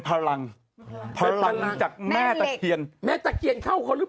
พลิกต๊อกเต็มเสนอหมดเลยพลิกต๊อกเต็มเสนอหมดเลย